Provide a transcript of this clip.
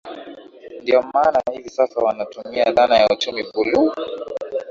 Ndio maana hivi sasa wanatumia dhana ya uchumi buluu